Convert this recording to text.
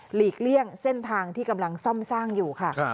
ลีกเลี่ยงเส้นทางที่กำลังซ่อมสร้างอยู่ค่ะ